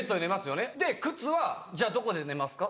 で靴はじゃあどこで寝ますか？